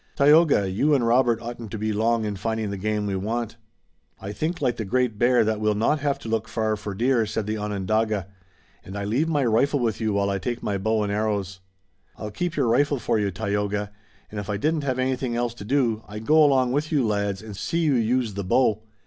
Tayoga, you and Robert oughtn't to be long in finding the game we want." "I think like the Great Bear that we'll not have to look far for deer," said the Onondaga, "and I leave my rifle with you while I take my bow and arrows." "I'll keep your rifle for you, Tayoga, and if I didn't have anything else to do I'd go along with you two lads and see you use the bow.